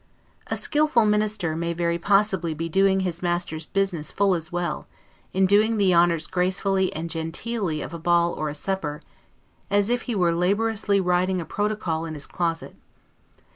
A skillful minister may very possibly be doing his master's business full as well, in doing the honors gracefully and genteelly of a ball or a supper, as if he were laboriously writing a protocol in his closet.